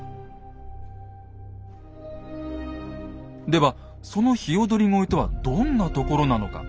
ではその鵯越とはどんなところなのか。